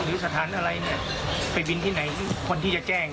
หรือสถานอะไรเนี่ยไปบินที่ไหนคนที่จะแจ้ง